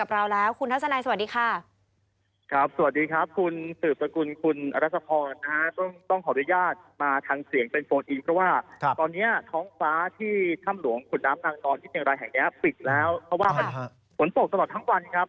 แห่งนี้ปิดแล้วเพราะว่าฝนโศกตลอดทั้งวันครับ